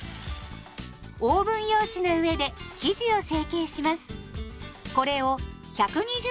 オーブン用紙の上で生地を成形します。